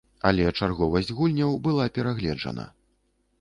Але чарговасць гульняў была перагледжана.